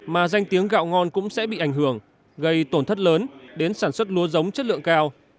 mà danh tiếng gạo ngon cũng sẽ bị ảnh hưởng gây tổn thất lớn đến sản xuất lúa giống chất lượng cao